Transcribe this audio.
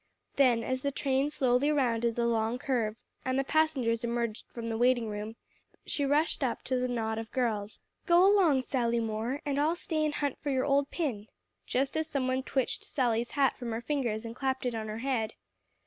Then, as the train slowly rounded the long curve and the passengers emerged from the waiting room, she rushed up to the knot of girls. "Go along, Sally Moore, and I'll stay and hunt for your old pin," just as some one twitched Sally's hat from her fingers and clapped it on her head.